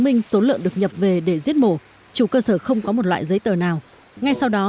minh số lợn được nhập về để giết mổ chủ cơ sở không có một loại giấy tờ nào ngay sau đó